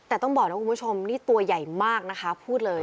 แต่ต้องบอกนะคุณผู้ชมนี่ตัวใหญ่มากนะคะพูดเลย